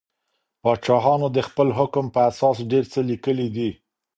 پاچاهانو د خپل حکم په اساس ډیر څه لیکلي دي.